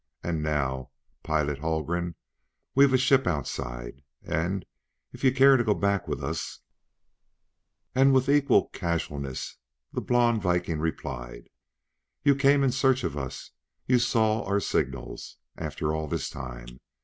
And now, Pilot Haldgren, we've a ship outside, and, if you'd care to go back with us " And with equal casualness the blond Viking replied: "You came in search of us! You saw our signals! After all this time!